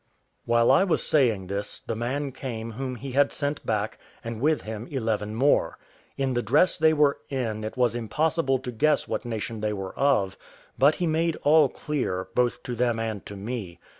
While I was saying this, the man came whom he had sent back, and with him eleven more. In the dress they were in it was impossible to guess what nation they were of; but he made all clear, both to them and to me.